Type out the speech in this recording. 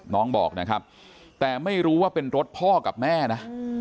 น้องบอกนะครับแต่ไม่รู้ว่าเป็นรถพ่อกับแม่นะ